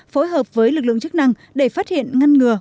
phối hợp với lực lượng chức năng để phát hiện ngăn ngừa